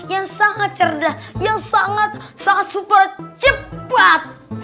yang sangat cerdas yang sangat sangat super cepat